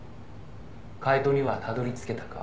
「解答にはたどり着けたか？」